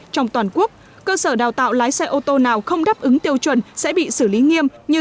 trong toàn quốc cơ sở đào tạo lái xe ô tô nào không đáp ứng tiêu chuẩn sẽ bị xử lý nghiêm như